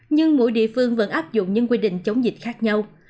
nhưng mỗi địa phương vẫn áp dụng những quy định chống dịch khác nhau